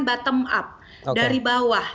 bottom up dari bawah